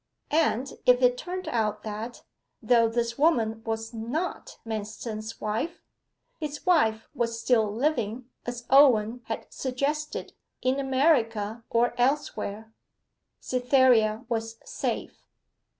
And if it turned out that, though this woman was not Manston's wife, his wife was still living, as Owen had suggested, in America or elsewhere, Cytherea was safe.